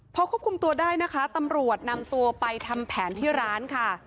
พอควบคุมตัวได้นะคะตำรวจนำตัวไปทำแผนที่ร้านค่ะ